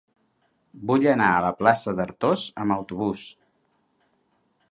Vull anar a la plaça d'Artós amb autobús.